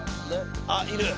あっいる。